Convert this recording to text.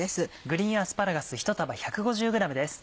グリーンアスパラガス１束１５０ｇです。